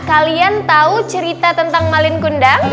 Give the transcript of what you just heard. kalian tahu cerita tentang malin kundang